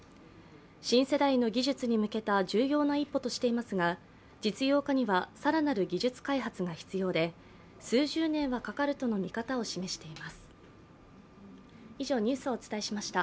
新世代の技術に向けた重要な一歩としていますが実用化には更なる技術開発が必要で数十年はかかるとの見方を示しています。